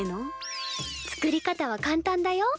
作り方は簡単だよ。